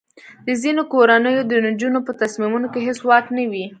د ځینو کورنیو د نجونو په تصمیمونو کې هیڅ واک نه وي.